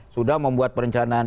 sudah membuat perencanaan